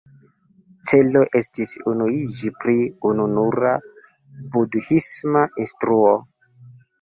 Celo estis unuiĝi pri ununura budhisma instruo.